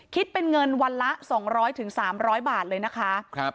คิดเป็นเงินวันละสองร้อยถึงสามร้อยบาทเลยนะคะครับ